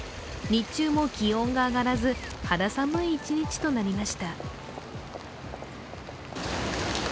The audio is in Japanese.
日中も気温が上がらず肌寒い一日となりました。